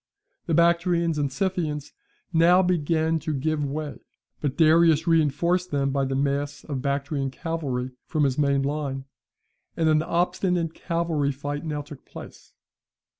The Bactrians and Scythians now began to give way, but Darius reinforced them by the mass of Bactrian cavalry from his main line, and an obstinate cavalry fight now took place.